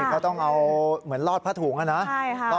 เขาต้องเอาเหมือนลอดผ้าถุงนะ